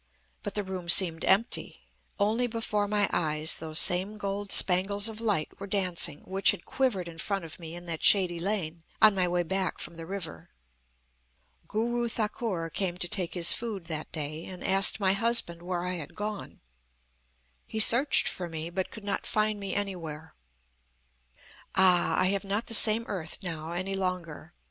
But the room seemed empty. Only before my eyes those same gold spangles of light were dancing which had quivered in front of me in that shady lane on my way back from the river. "Guru Thakur came to take his food that day, and asked my husband where I had gone. He searched for me, but could not find me anywhere. "Ah! I have not the same earth now any longer.